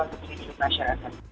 jadi itu masyarakat